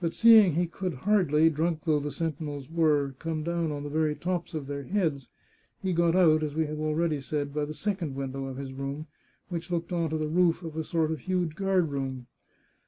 But seeing he could hardly, drunk though the sentinels were, come down on the very tops of their heads, he got out, as we have already said, by the second window of his room, which looked on to the roof of a sort of huge guard room.